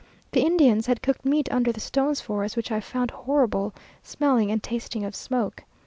The Indians had cooked meat under the stones for us, which I found horrible, smelling and tasting of smoke.